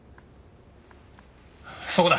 そこだ。